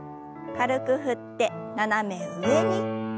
軽く振って斜め上に。